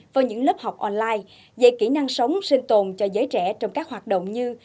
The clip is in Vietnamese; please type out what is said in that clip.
vào những lớp học online dạy kỹ năng sống sinh tồn cho giới trẻ trong các hoạt động như